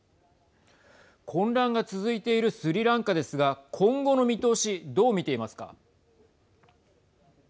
混乱が続いているスリランカですが今後の見通しどう見ていますか。